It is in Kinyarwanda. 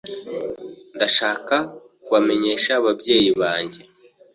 Ndashaka kubamenyesha ababyeyi banjye.